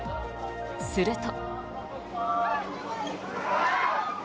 すると。